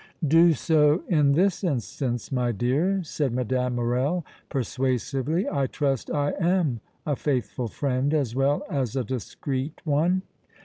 "Do so in this instance, my dear," said Mme. Morrel, persuasively. "I trust I am a faithful friend, as well as a discreet one."